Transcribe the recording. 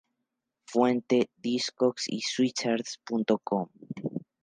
Fuente: Discogs y Swisscharts.com.